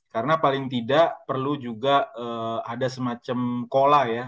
karena paling tidak perlu juga ada semacam kola ya